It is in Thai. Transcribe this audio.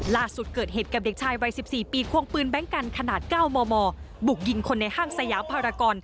ล่าสุดเกิดเหตุกับเด็กชายวัย๑๔ปีควงปืนแบงค์กันขนาด๙มมบุกยิงคนในห้างสยามภารกร